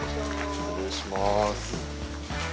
失礼します。